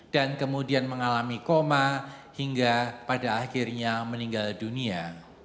dan kemudian mengalami koma hingga pada akhirnya meninggal dunia